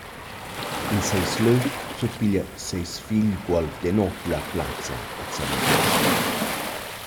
In seis lö surpiglia seis figl Guolf Denoth la plazza a Zernez.